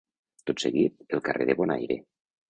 Tot seguit, El carrer de Bonaire.